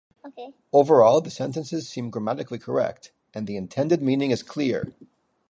Overall, the sentences seem grammatically correct, and the intended meaning is clear.